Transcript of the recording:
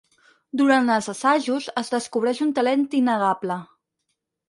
Durant els assajos, es descobreix un talent innegable.